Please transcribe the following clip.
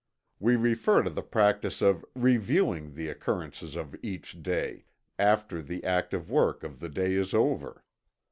We refer to the practice of reviewing the occurrences of each day, after the active work of the day is over.